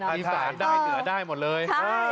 อีสานได้เหนือได้หมดเลย